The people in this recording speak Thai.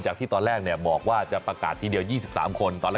ที่ตอนแรกบอกว่าจะประกาศทีเดียว๒๓คนตอนแรก